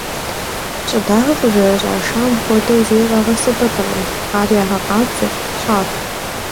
Щӏыдагъэр къызэрыщӏашам хуэдэу зэи къагъэсэбэпыркъым, ар ягъэкъабзэ, щӏаху.